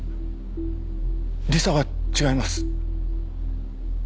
理沙は違います。